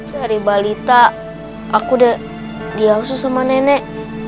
sehari balita aku udah diausu sama nenek